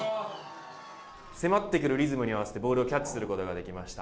迫ってくるリズムに合わせてボールをキャッチすることができました。